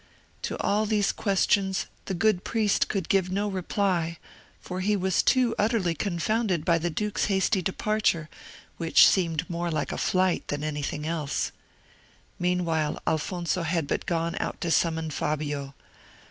To all these questions the good priest could give no reply, for he too was utterly confounded by the duke's hasty departure, which seemed more like a flight than anything else. Meanwhile Alfonso had but gone out to summon Fabio.